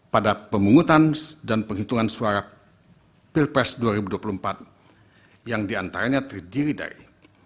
pada pemungutan dan penghitungan suara pilpres dua ribu dua puluh empat yang diantaranya terdiri dari